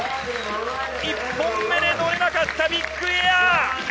１本目で乗れなかったビッグエア。